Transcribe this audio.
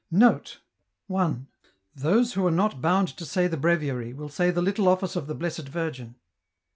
158 EN ROUTE. Note. 1. Those who are not bound to say the Breviary will say the Little Office of the Blessed Virgin.